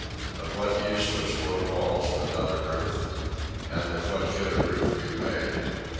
Of what use the four walls without a roof? And of what could a roof be made?